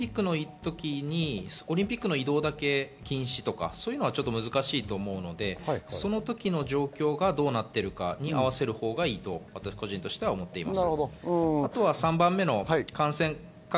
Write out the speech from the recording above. オリンピックの移動だけ禁止とかそういうのは難しいと思うのでその時の状況がどうなってるか、合わせるほうがいいと私個人としては思っています。